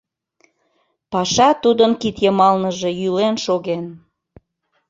Паша тудын кид йымалныже йӱлен шоген.